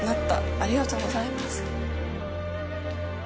ありがとうございます。